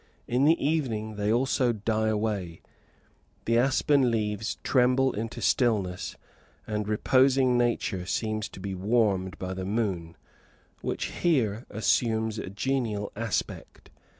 In the evening they also die away; the aspen leaves tremble into stillness, and reposing nature seems to be warmed by the moon, which here assumes a genial aspect.